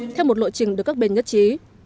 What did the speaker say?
theo một lộ trình được các bên nhất trí